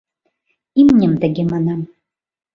— Имньым тыге манам.